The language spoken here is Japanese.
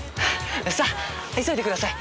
さあ急いでください。